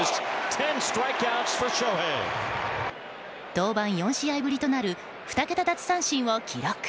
登板４試合ぶりとなる２桁奪三振を記録。